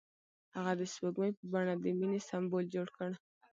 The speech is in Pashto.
هغه د سپوږمۍ په بڼه د مینې سمبول جوړ کړ.